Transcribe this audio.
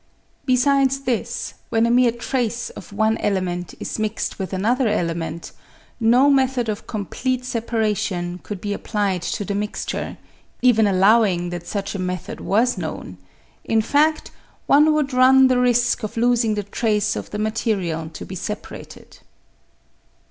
Besides this, when a mere trace of one element is mixed with another element, no method of complete separation could be applied to the mixture, even allowing that such a method was known ; in fad, one would run the risk of losing the trace of the material to be separated.